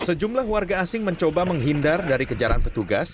sejumlah warga asing mencoba menghindar dari kejaran petugas